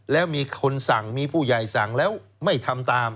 แล้วมีคนสั่งมีผู้ใหญ่สั่งแล้วไม่ทำตาม